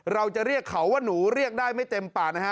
เราจะเรียกเขาว่าหนูเรียกได้ไม่เต็มปากนะฮะ